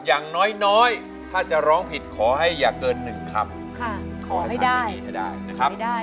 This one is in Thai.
ร้องได้ร้องได้ร้องได้